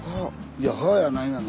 いや「はぁ」やないがな。